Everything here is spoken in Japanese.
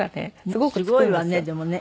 すごいわねでもね。